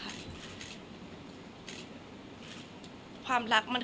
คนเราถ้าใช้ชีวิตมาจนถึงอายุขนาดนี้แล้วค่ะ